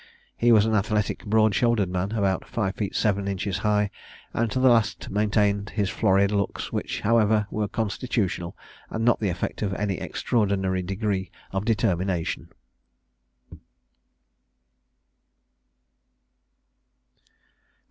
He was an athletic, broad shouldered man, about five feet seven inches high, and to the last maintained his florid looks, which, however, were constitutional, and not the effect of any extraordinary degree of determination.